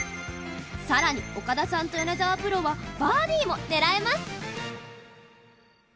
更に岡田さんと米澤プロはバーディーも狙えます。